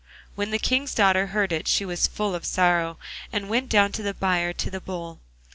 When the King's daughter heard it she was full of sorrow, and went down to the byre to the Bull.